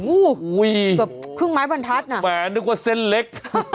โอ้โหเกือบครึ่งไม้บรรทัศนอ่ะแหมนึกว่าเส้นเล็ก